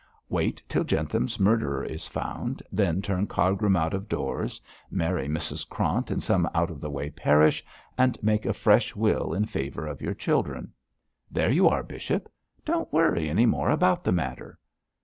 Wait till Jentham's murderer is found, then turn Cargrim out of doors, marry Mrs Krant in some out of the way parish, and make a fresh will in favour of your children. There you are, bishop! Don't worry any more about the matter.'